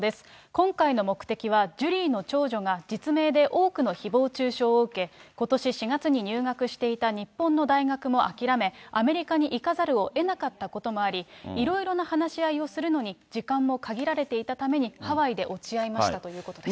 今回の目的はジュリーの長女が実名で多くのひぼう中傷を受け、ことし４月に入学していた日本の大学も諦め、アメリカに行かざるをえなかったこともあり、いろいろな話し合いをするのに時間も限られていたために、ハワイで落ち合いましたということです。